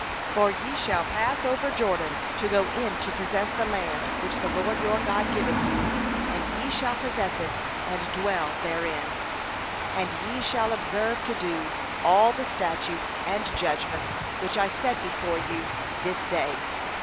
31For ye are to pass over the Jordan to go in to possess the land which the LORD your God giveth you, and ye shall possess it, and dwell therein. 32And ye shall observe to do all the statutes and the ordinances which I set before you this day.